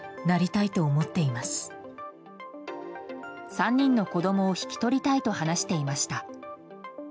３人の子供を引き取りたいと話していました。